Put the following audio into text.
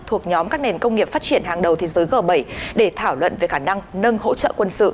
thuộc nhóm các nền công nghiệp phát triển hàng đầu thế giới g bảy để thảo luận về khả năng nâng hỗ trợ quân sự